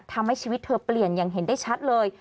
ทำให้ชีวิตเธอเปลี่ยนอย่างเห็นได้ชัดเลย